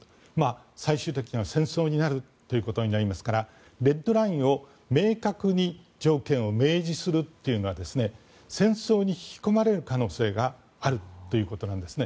最終的には戦争になるということになりますからレッドラインを明確に条件を明示するというのは戦争に引き込まれる可能性があるということなんですね。